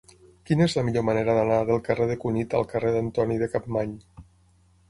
Quina és la millor manera d'anar del carrer de Cunit al carrer d'Antoni de Capmany?